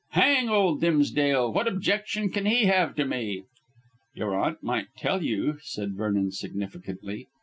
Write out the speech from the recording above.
"Hang old Dimsdale, what objection can he have to me?" "Your aunt might tell you," said Vernon significantly.